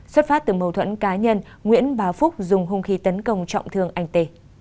xuất phát từ mâu thuẫn cá nhân nguyễn bá phúc dùng hùng khi tấn công trọng thương anh t